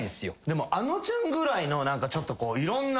でもあのちゃんぐらいのちょっといろんな。